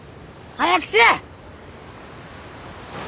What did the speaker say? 早くしれ！